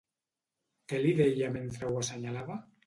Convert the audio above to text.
Què li deia mentre ho assenyalava?